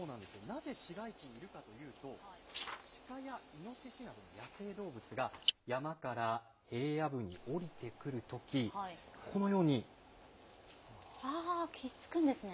なぜ市街地にいるかというと、シカやイノシシなどの野生動物が山から平野部に下りてくるとき、ひっつくんですね。